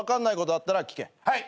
はい。